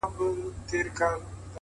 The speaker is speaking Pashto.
اخلاص د نیک عمل ښکلا بشپړوي؛